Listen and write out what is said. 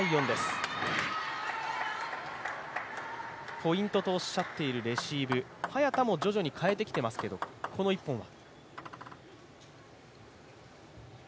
ポイントとおっしゃっているレシーブ、早田も徐々に変えてきていますけれども、この１本も。